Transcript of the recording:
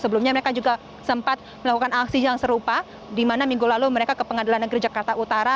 sebelumnya mereka juga sempat melakukan aksi yang serupa di mana minggu lalu mereka ke pengadilan negeri jakarta utara